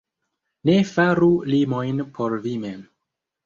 Ne faru limojn por vi mem.